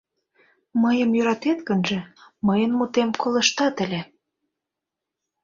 — Мыйым йӧратет гынже, мыйын мутем колыштат ыле.